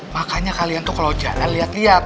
makanya kalian tuh kalau jalan liat liat